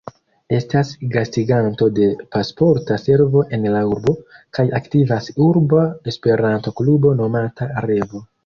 Estas gastiganto de Pasporta Servo en la urbo, kaj aktivas urba Esperanto-Klubo nomata "Revo".